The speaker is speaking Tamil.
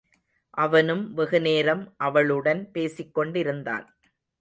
அவனும் வெகுநேரம் அவளுடன் பேசிக்கொண்டிருந்தான்.